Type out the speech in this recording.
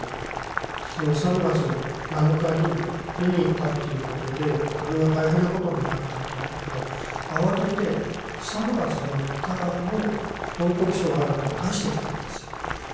その３月７日に見に行ったっていうことでこれは大変なことになったということで慌てて３月４日の報告書があるっていうのを出してきたんですよ